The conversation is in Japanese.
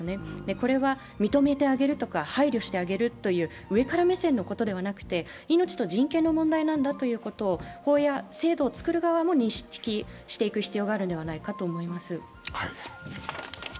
これは認めてあげるとか、配慮してあげるという上から目線のことではなくて、命と人権の問題なんだということを法や制度をつくる側も認識していく費用があるのではないかと思います。